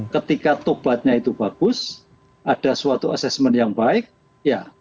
ketika tobatnya itu bagus ada suatu assessment yang baik ya